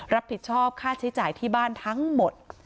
รับผิดชอบค่าใช้จ่ายที่บ้านทั้งหมด